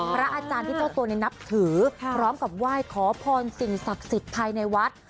พระอาจารย์ที่เจ้าตัวนับถือพร้อมกับไหว้ขอพรสิ่งศักดิ์สิทธิ์ภายในวัด